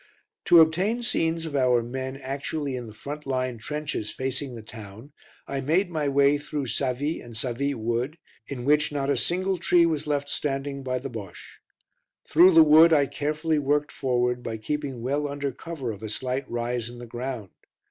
To obtain scenes of our men actually in the front line trenches facing the town, I made my way through Savy and Savy Wood, in which not a single tree was left standing by the Bosche. Through the wood I carefully worked forward by keeping well under cover of a slight rise in the ground.